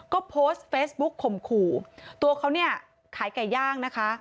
ก็โพสต์เฟซบุ๊กข่มขู่ตัวเขาเนี่ยขายไก่ย่างนะคะ